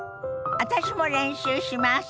私も練習します！